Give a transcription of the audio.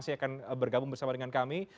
saya akan bergabung bersama dengan kami